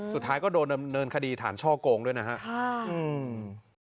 สุดท้ายก็โดนดำเนินคดีฐานช่อโกงด้วยนะครับ